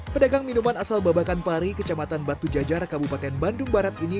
pedagang minuman asal babakan pari kecamatan batu jajar kabupaten bandung barat ini